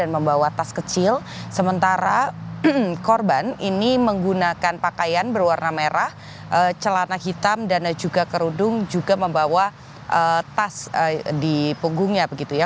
membawa tas kecil sementara korban ini menggunakan pakaian berwarna merah celana hitam dan juga kerudung juga membawa tas di punggungnya begitu ya